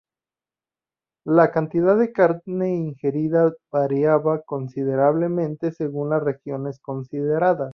La cantidad de carne ingerida variaba considerablemente según las regiones consideradas.